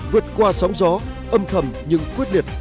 vượt qua sóng gió âm thầm nhưng quyết liệt